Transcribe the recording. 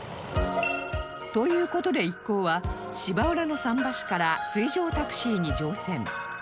という事で一行は芝浦の桟橋から水上タクシーに乗船